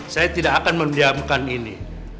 saya tidak akan mendiamkan ini